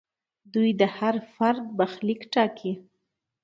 دوی د هر فرد برخلیک ټاکي.